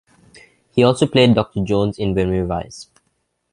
He also played Doctor Jones in "When We Rise".